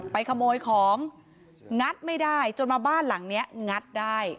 ขโมยของงัดไม่ได้จนมาบ้านหลังนี้งัดได้